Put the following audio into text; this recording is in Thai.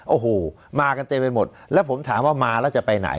โอ้โหมากันเต็มไปหมดแล้วผมถามว่ามาแล้วจะไปไหน